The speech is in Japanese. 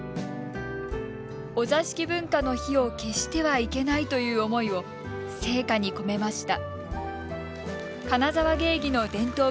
お座敷文化の火を消してはいけないという思いを聖火に込めました。